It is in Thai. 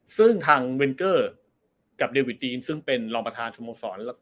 ซึ่งทางเวนเกอร์กับเดวิดตีนซึ่งเป็นรองประธานสโมสร